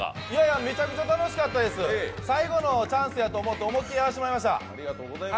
めちゃくちゃ楽しかったです、最後のチャンスやと思って、思い切りやらせてもらいました。